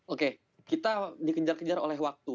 oke kita dikejar kejar oleh waktu